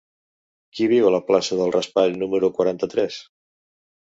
Qui viu a la plaça del Raspall número quaranta-tres?